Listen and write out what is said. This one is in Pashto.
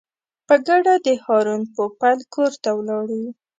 په ګډه د هارون پوپل کور ته ولاړو.